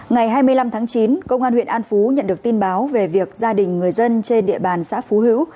ngày hai mươi năm tháng chín công an huyện an phú nhận được tin báo về việc gia đình người dân trên địa bàn xã phú hữu